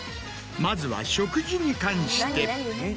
まずは食事に関して。